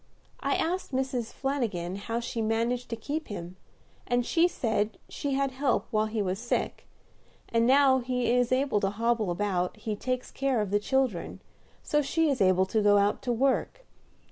I asked Mrs. Flanagin how she managed to keep him, and she said she had help while he was sick, and now he is able to hobble about, he takes care of the children, so she is able to go out to work.